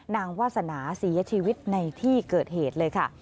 วาสนาเสียชีวิตในที่เกิดเหตุเลยค่ะ